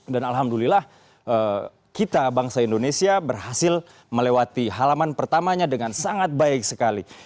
dan alhamdulillah kita bangsa indonesia berhasil melewati halaman pertamanya dengan sangat baik sekali